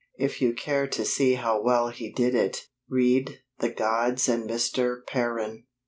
If you care to see how well he did it, read "The Gods and Mr. Perrin."